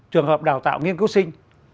trường hợp đào tạo nghiên cứu sinh